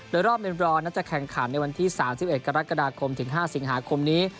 โดยรอบเมนบรอนนั้นจะแข่งขันในวันที่๓๑กรกฎาคมถึง๕สิงหาคมนี้